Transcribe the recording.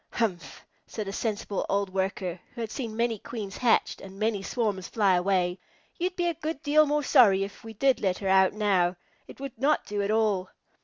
"Humph!" said a sensible old Worker, who had seen many Queens hatched and many swarms fly away, "you'd be a good deal more sorry if we did let her out now. It would not do at all."